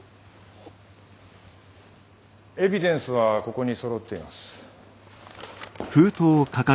エビデンスはここにそろっています。